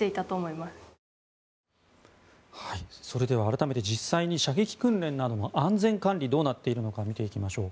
それでは改めて射撃訓練などの安全管理、どうなっているのか見ていきましょう。